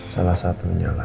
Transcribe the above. salah satunya lah